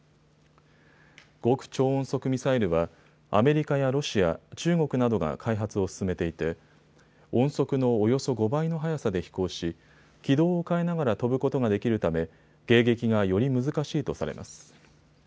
極超音速ミサイルはアメリカやロシア、中国などが開発を進めていて音速のおよそ５倍の速さで飛行し軌道を変えながら飛ぶことができるため迎撃がより難しいとされます。